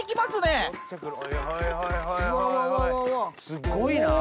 すごいな！